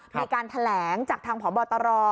มีการแถลงจากทางพบตร